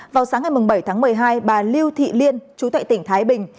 vào sáng ngày bảy tháng một mươi hai bà lưu thị liên chú tệ tỉnh thái bình